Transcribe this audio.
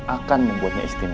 akan membuatnya istimewa